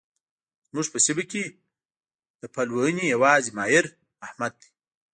زموږ په سیمه کې د پلوهنې يوازنی ماهر؛ احمد دی.